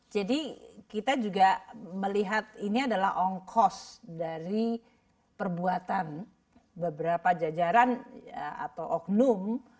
jadi kita juga melihat ini adalah ongkos dari perbuatan beberapa jajaran atau oknum